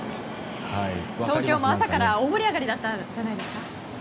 東京も朝から大盛り上がりだったんじゃないですか？